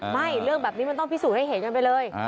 เรื่องแบบนี้มันต้องพิสูจน์ให้เห็นกันไปเลย